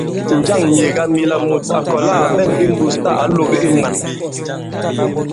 Njâŋ myèga mila mùt à kɔ̀la à ɓɛŋ imbūs tâ ǎ lōk i mwān ?